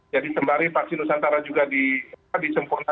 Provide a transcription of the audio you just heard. jadi sembari vaksin nusantara juga disempurnakan